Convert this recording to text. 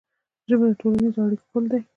ژبه د ټولنیزو اړیکو پل دی.